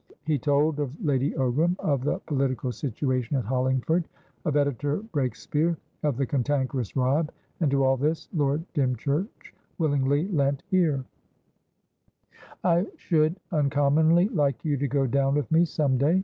He told of Lady Ogram, of the political situation at Hollingford, of editor Breakspeare, of the cantankerous Robb, and to all this Lord Dymchurch willingly lent ear. "I should uncommonly like you to go down with me some day.